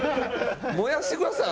燃やしてください